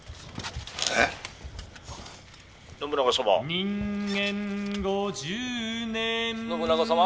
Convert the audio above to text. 「人間五十年」「信長様？」。